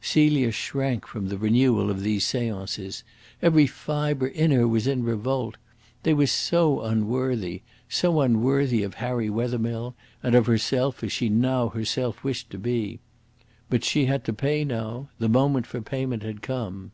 Celia shrank from the renewal of these seances. Every fibre in her was in revolt. They were so unworthy so unworthy of Harry Wethermill, and of herself as she now herself wished to be. But she had to pay now; the moment for payment had come.